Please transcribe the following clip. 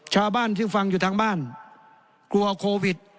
ชาวบ้านที่ฟังอยู่ทางบ้านกลัวโควิด